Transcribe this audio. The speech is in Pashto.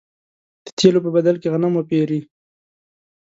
د تېلو په بدل کې غنم وپېري.